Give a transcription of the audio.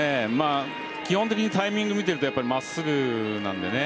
基本的にタイミング見ていると真っすぐなんでね。